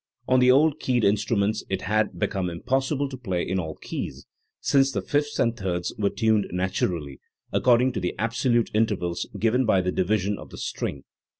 On the old keyed instruments it had become impossible to play in all keys, since the fifths and thirds were tuned naturally, according to the absolute intervals given by the divisions of the string.